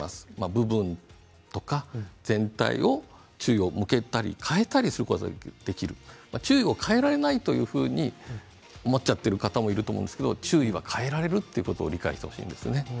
部分とか全体を注意を向けたり変えたりりすることができる注意が変えられないというふうに思っちゃっている方もいると思うんですが注意は変えられることを理解してほしいです。